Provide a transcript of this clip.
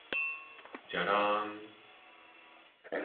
じゃらんーーーーー